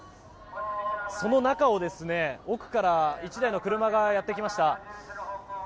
その中を、奥から１台の車がやってきました。